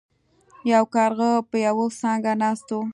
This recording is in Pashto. یو کارغه په یوه څانګه ناست و.